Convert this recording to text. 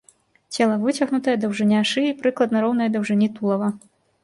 Цела выцягнутае, даўжыня шыі прыкладна роўная даўжыні тулава.